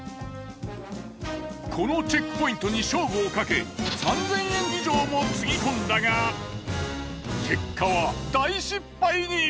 このチェックポイントに勝負をかけ３，０００円以上もつぎ込んだが結果は大失敗に。